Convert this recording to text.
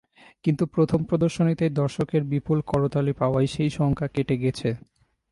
কিন্তু প্রথম প্রদর্শনীতেই দর্শকের বিপুল করতালি পাওয়ায় সেই শঙ্কা কেটে গেছে।